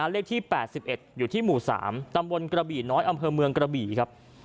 เลขที่๘๑อยู่ที่หมู่๓ตำบลกระบี่น้อยอำเภอเมืองกระบี่ครับ